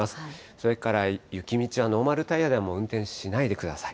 それから雪道はノーマルタイヤで運転しないでください。